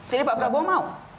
jadi pak prabowo mau